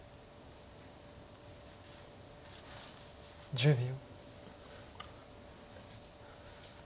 １０秒。